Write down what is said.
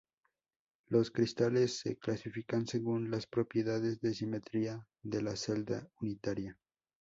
Los cristales se clasifican según las propiedades de simetría de la celda unitaria.